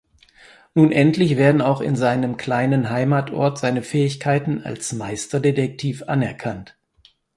Nun endlich werden auch in seinem kleinen Heimatort seine Fähigkeiten als Meisterdetektiv anerkannt.